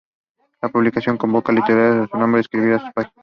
La publicación convocaría a literatos de renombre para escribir en sus páginas.